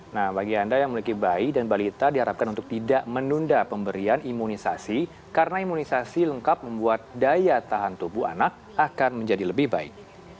nah bagi anda yang memiliki bayi dan balita diharapkan untuk tidak menunda pemberian imunisasi karena imunisasi lengkap membuat daya tahan tubuh anak akan menjadi lebih baik